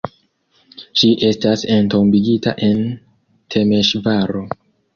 Ŝi estas entombigita en Temeŝvaro.